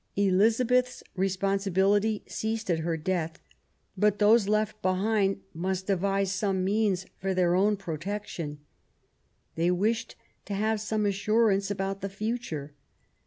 Eliza beth's responsibility ceased at her death ; but those left behind must devise some means for their own protection. They wished to have some assurance about the future.